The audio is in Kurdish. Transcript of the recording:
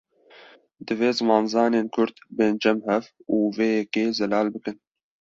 Divê zimanzanên kurd, bên cem hev û vê yekê zelal bikin